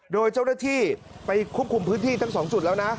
โดยเจ้าหน้าที่ไปควบคุมพื้นที่ทั้ง๒จุดแล้วนะ